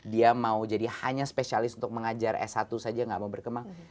dia mau jadi hanya spesialis untuk mengajar s satu saja nggak mau berkembang